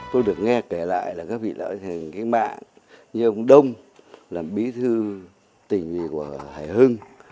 tôi được nghe kể lại là các vị là các bạn như ông đông làm bí thư tình gì của hải hưng